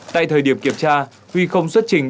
tại thời điểm kiểm tra huy không xuất trình